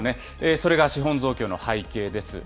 それが資本増強の背景です。